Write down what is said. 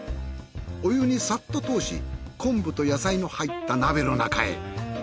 お湯にさっと通し昆布と野菜の入った鍋の中へ。